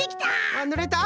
あっぬれた？